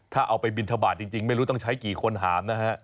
ถ้าเอาไปบินทบาทจริงไม่รู้ต้องใช้กี่คนหามนะฮะ